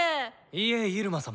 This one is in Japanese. いえイルマ様